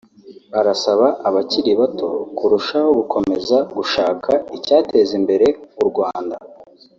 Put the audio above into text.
Arasaba abakiri bato kurushaho gukomeza gushaka icyateza imbere u Rwanda